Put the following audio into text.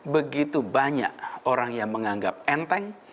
begitu banyak orang yang menganggap enteng